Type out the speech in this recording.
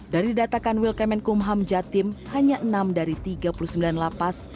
dari datakan wilkemenkumham jatim hanya enam dari tiga puluh sembilan lapas